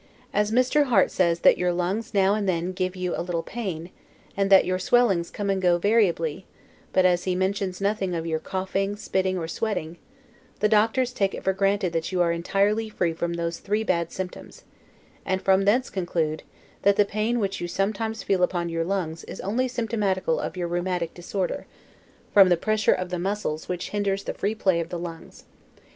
As Mr. Harte Says THAT YOUR LUNGS NOW AND THEN GIVE YOU A LITTLE PAIN, and that YOUR SWELLINGS COME AND GO VARIABLY, but as he mentions nothing of your coughing, spitting, or sweating, the doctors take it for granted that you are entirely free from those three bad symptoms: and from thence conclude, that, the pain which you sometimes feel upon your lungs is only symptomatical of your rheumatic disorder, from the pressure of the muscles which hinders the free play of the lungs.